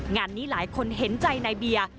งานนี้หลายคนเห็นใจในเบีย